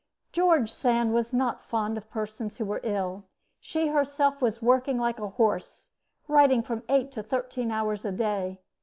George Sand was not fond of persons who were ill. She herself was working like a horse, writing from eight to thirteen hours a day.